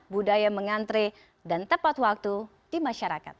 budaya mengantre dan tepat waktu di masyarakat